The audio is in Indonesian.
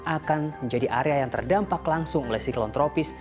akan menjadi area yang terdampak langsung oleh siklon tropis